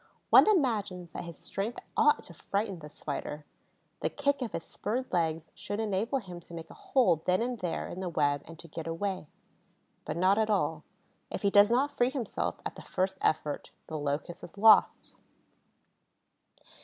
One imagines that his strength ought to frighten the Spider; the kick of his spurred legs should enable him to make a hole then and there in the web and to get away. But not at all. If he does not free himself at the first effort, the Locust is lost.